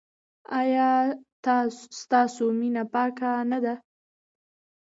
ایا ستاسو مینه پاکه نه ده؟